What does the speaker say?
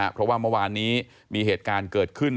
เพราะว่าเมื่อวานนี้มีเหตุการณ์เกิดขึ้น